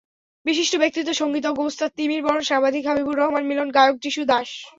বিশিষ্ট ব্যক্তিত্ব—সংগীতজ্ঞ ওস্তাদ তিমির বরণ, সাংবাদিক হাবিবুর রহমান মিলন, গায়ক যিশু দাস।